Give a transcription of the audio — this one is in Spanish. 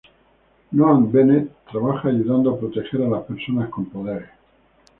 Noah Bennet trabaja ayudando a proteger a las personas con poderes.